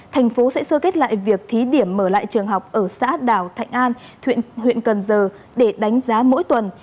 thành phố sẽ sơ kết lại việc thí điểm mở lại trường học ở xã đảo thạnh an huyện cần giờ để đánh giá mỗi tuần